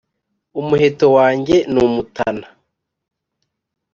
Umuheto wanjye n’umutana